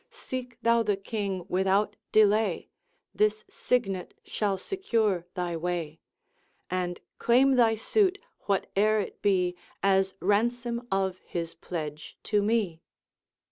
Seek thou the King without delay; This signet shall secure thy way: And claim thy suit, whate'er it be, As ransom of his pledge to me.'